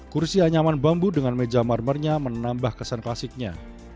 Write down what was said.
kursi anyaman bambu dengan meja marmernya menambah kesan klasiknya